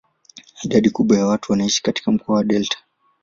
Idadi kubwa ya watu wanaishi katika mkoa wa delta.